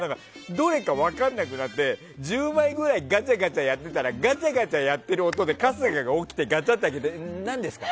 どれか分からなくなって１０枚ぐらいガチャガチャやってたらガチャガチャやってる音で春日が起きて、何ですか？